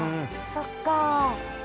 そっか。